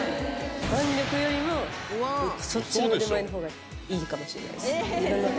腕力よりもそっちの腕前のほうがいいかもしれないです